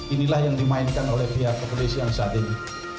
inilah yang dimainkan oleh pihak kepolisian saat ini